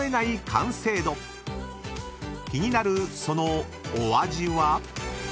［気になるそのお味は？］